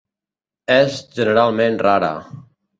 És generalment rara.